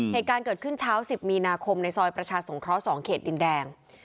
เหตุการณ์เกิดขึ้นเช้า๑๐มีนาคมในซอยประชาสงเคราะห์๒เขตดินแดง